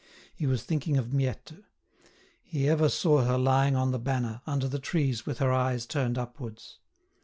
He was thinking of Miette. He ever saw her lying on the banner, under the trees with her eyes turned upwards.